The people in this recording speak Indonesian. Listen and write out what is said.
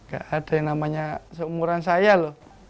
gak ada yang namanya seumuran saya loh